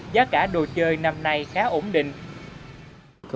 giá cả đồ chơi năm nay khá ổn định